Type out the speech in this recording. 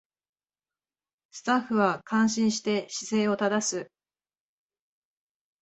スタッフは感心して姿勢を正す